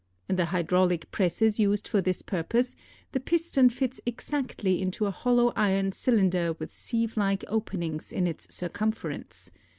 In the hydraulic presses used for this purpose the piston fits exactly into a hollow iron cylinder with sieve like openings in its circumference.